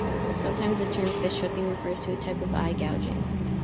Sometimes, the term fish hooking refers to a type of eye gouging.